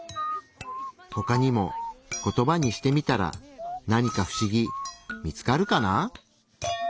ほかにもコトバにしてみたら何か不思議見つかるかな？